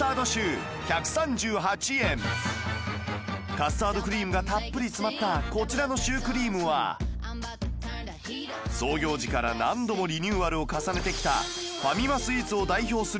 カスタードクリームがたっぷり詰まったこちらのシュークリームは創業時から何度もリニューアルを重ねてきた